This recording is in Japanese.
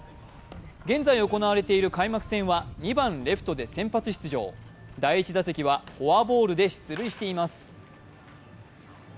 現在行われている開幕戦は２番・レフトで先発出場、第１打席はフォアボールで出塁しています。